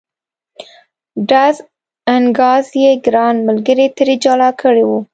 ډز انګاز یې ګران ملګري ترې جلا کړی و.